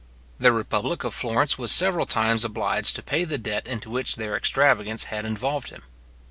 The republic of Florence was several times obliged to pay the debt into which their extravagance had involved him.